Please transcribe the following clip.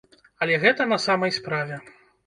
Але гэта на самай справе.